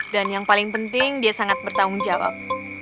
dan yang paling penting dia sangat bertanggung jawab